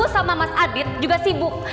dan mas adit juga sibuk